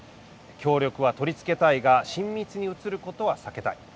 協力は取り付けたいが親密に映ることは避けたい。